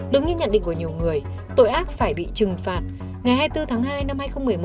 đúng như nhận định của nhiều người tội ác phải bị trừng phạt ngày hai mươi bốn tháng hai năm hai nghìn một mươi một